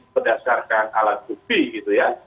berdasarkan alat bukti gitu ya